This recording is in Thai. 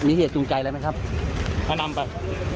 มีเหตุจูงใจอะไรไหมครับเขานำไป